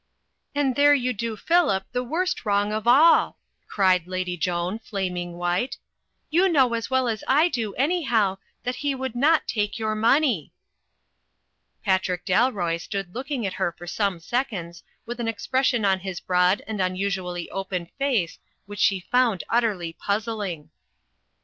"And there you do Phillip the worst wrong of all," cried Lady Joan, flaming white. "You know as well as I do, anyhow, that he would not take your money." Patrick Dalroy stood looking at her for some sec onds with an expression on his broad and unusually open face which she found utterly puzzling.